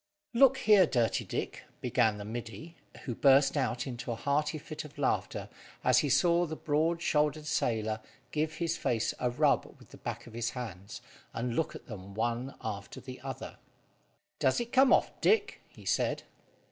"Look here, Dirty Dick," began the middy, who burst out into a hearty fit of laughter as he saw the broad shouldered sailor give his face a rub with the back of his hands, and look at them one after the other. "Does it come off, Dick?" he said.